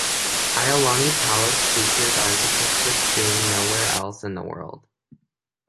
Iolani Palace features architecture seen nowhere else in the world.